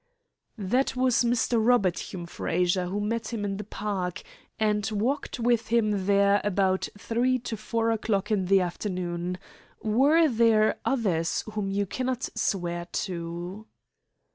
"That was Mr. Robert Hume Fraser, who met him in the park, and walked with him there about three to four o'clock in the afternoon. Were there others whom you cannot swear to?"